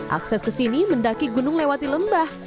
akses ke sini mendaki gunung lewati lembah